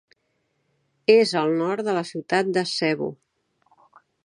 És al nord de la ciutat de Cebu.